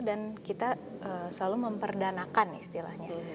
dan kita selalu memperdanakan istilahnya